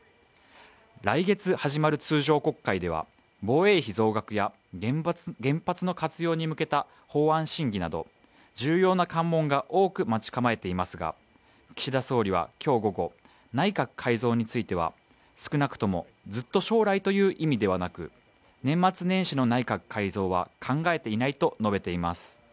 来月始まる通常国会では防衛費増額や原発の活用に向けた法案審議など重要な関門が多く待ち構えていますが、岸田総理は今日午後、内閣改造については、少なくともずっと将来という意味ではなく年末年始の内閣改造は考えていないと述べています。